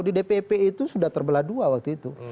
di dpp itu sudah terbelah dua waktu itu